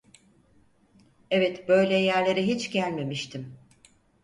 Evet, Böyle yerlere hiç gelmemiştim.